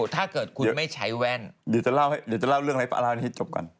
ตาพ่างภายไง